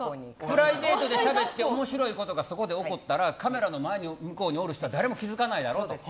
プライベートでしゃべって面白いことがそこで起こったらカメラの向こうにおる人は誰も気づかないやろ。